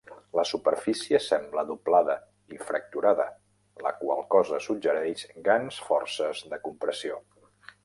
La superfície sembla doblada i fracturada, la qual cosa suggereix grans forces de compressió.